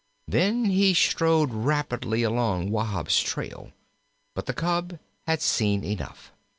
Then he strode rapidly along Wahb's trail. But the cub had seen enough.